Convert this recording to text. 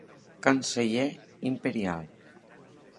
Canceller imperial